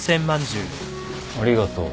ありがとう。